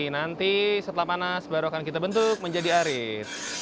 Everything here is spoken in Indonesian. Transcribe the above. nanti setelah panas baru akan kita bentuk menjadi arit